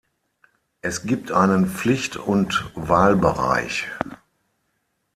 Es gibt einen Pflicht- und Wahlbereich.